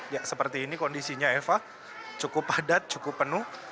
ya seperti ini kondisinya eva cukup padat cukup penuh